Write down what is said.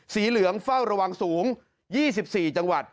สีเหลืองเฝ้าระวังสูง๒๔จังหวัด